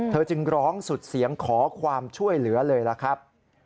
จึงร้องสุดเสียงขอความช่วยเหลือเลยล่ะครับ